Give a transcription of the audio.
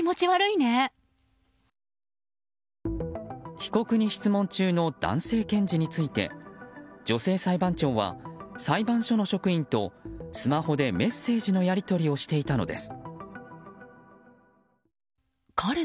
被告に質問中の男性検事について女性裁判長は裁判所の職員とスマホでメッセージのやり取りをしていたのです。